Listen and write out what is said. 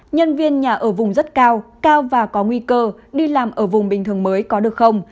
nhân viên nhà ở vùng rất cao cao và có nguy cơ đi làm ở vùng bình thường mới có được không